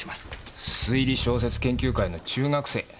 推理小説研究会の中学生。